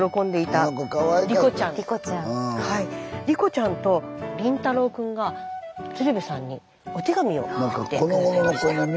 梨心ちゃんと琳大郎くんが鶴瓶さんにお手紙を送って下さいました。